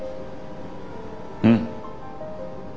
うん。